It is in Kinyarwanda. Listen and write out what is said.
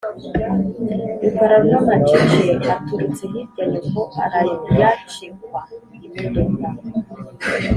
Rukara rw'amacece aturutse hirya nyoko arayacekwa.-Imodoka.